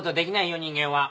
人間は。